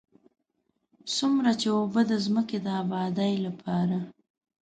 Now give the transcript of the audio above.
څومره چې اوبه د ځمکې د ابادۍ لپاره.